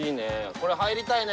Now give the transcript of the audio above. これ入りたいね。